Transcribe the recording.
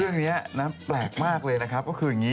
เรื่องนี้นะแปลกมากเลยนะครับก็คืออย่างนี้